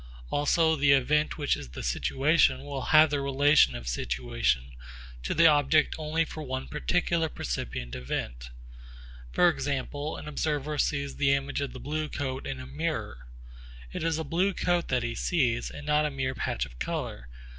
Also the event which is the situation will have the relation of situation to the object only for one particular percipient event. For example, an observer sees the image of the blue coat in a mirror. It is a blue coat that he sees and not a mere patch of colour.